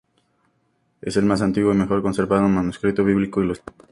Es el más antiguo y mejor conservado manuscrito bíblico ilustrado.